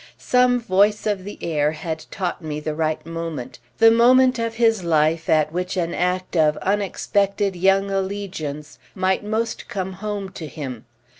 Some voice of the air had taught me the right moment, the moment of his life at which an act of unexpected young allegiance might most come home to him.